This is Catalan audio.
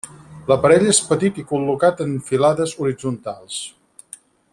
L'aparell és petit i col·locat en filades horitzontals.